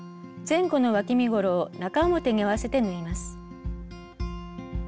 前後のわき身ごろを中表に合わせて縫います。